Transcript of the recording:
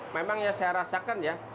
memang yang saya rasakan ya